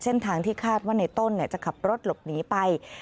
เส้นทางที่คาดว่าในต้นจะขับรถหลบหนีไป